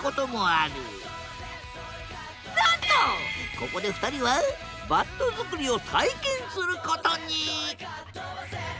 ここで２人はバット作りを体験することに！